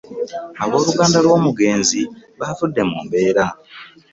Abooluganda lw'omugenzi baavudde mu mbeera.